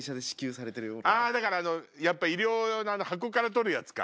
だからやっぱ医療用の箱から取るやつか。